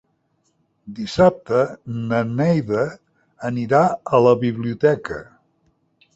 Dissabte na Neida anirà a la biblioteca.